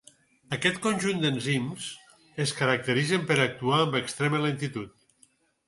Aquest conjunt d'enzims es caracteritzen per actuar amb extrema lentitud.